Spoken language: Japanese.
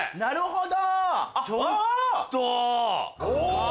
なるほど。